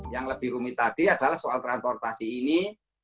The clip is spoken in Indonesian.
yang lebih rumit tadi adalah soal transportasi ini